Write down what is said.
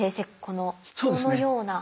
この人のような。